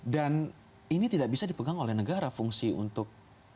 dan ini tidak bisa dipegang oleh negara fungsi untuk